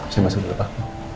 saya masuk dulu pak